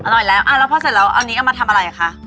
อร่อยแล้วแล้วพอเสร็จแล้วเอานี้เอามาทำอะไรคะ